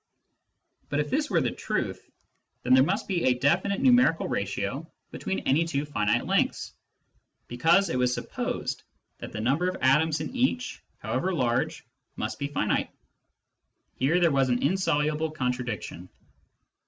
But if this were the truth, then there must be a definite numerical ratio between any two finite lengths, because it was supposed that the number of atoms in each, how ever large, must be finite. Here there was an insoluble contradiction.